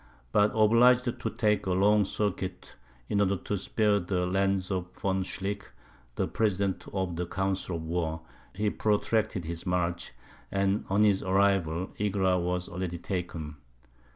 But obliged to take a long circuit, in order to spare the lands of Von Schlick, the president of the council of war, he protracted his march; and on his arrival, Egra was already taken.